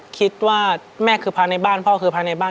คิดว่าแม่คือพระในบ้านพ่อคือพระในบ้าน